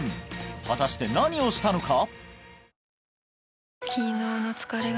果たして何をしたのか？